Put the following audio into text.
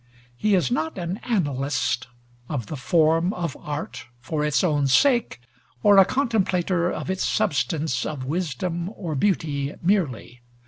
He is not an analyst of the form of art for its own sake, or a contemplator of its substance of wisdom or beauty merely.